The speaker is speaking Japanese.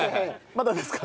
まだですか？